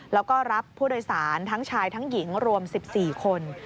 แล้วก็รับผู้โดยสารทั้งชายทั้งหญิงรวม๑๔คน